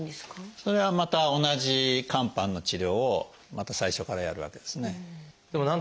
それはまた同じ肝斑の治療をまた最初からやるわけですね。